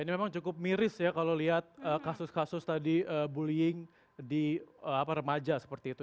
ini memang cukup miris ya kalau lihat kasus kasus tadi bullying di remaja seperti itu